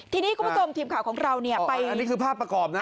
ทีนี้คุณผู้ชมทีมข่าวของเราเนี่ยไปอันนี้คือภาพประกอบนะ